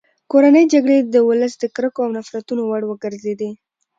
کورنۍ جګړې د ولس د کرکو او نفرتونو وړ وګرځېدې.